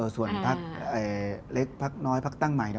ส่วนพักเล็กพักน้อยพักตั้งใหม่